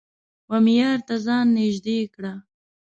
و معیار ته ځان نژدې کړه